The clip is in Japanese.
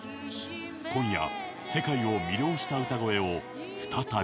今夜、世界を魅了した歌声を再び。